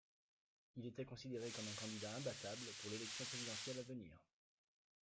Il était considéré comme un candidat imbattable pour l'élection présidentielle à venir.